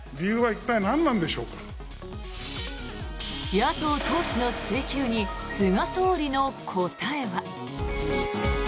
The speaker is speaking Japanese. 野党党首の追及に菅総理の答えは。